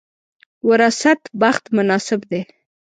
وراثت بخت مناسب دی.